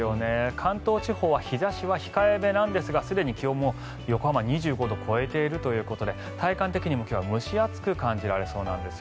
関東地方は日差しは控えめなんですがすでに気温も横浜は２５度を超えているということで体感的にも今日は蒸し暑く感じられそうです。